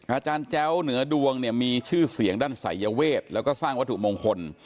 อาจารย์แจ้วเหนือดวงเนี่ยมีชื่อเสียงด้านศัยเวทแล้วก็สร้างวัตถุมงคล